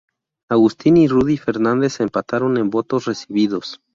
Augustin y Rudy Fernández empataron en votos recibidos.